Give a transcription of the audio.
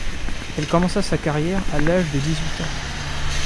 Elle commence sa carrière à l'âge dix-huit ans.